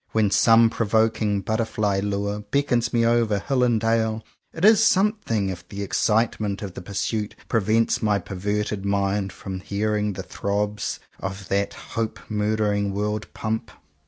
When some provoking butterfly lure beckons me over hill and dale, it is something if the excitement of the pursuit prevents my perverted mind from hearing the throbs of that hope murdering World Pump.